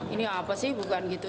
ini apa sih bukan gitu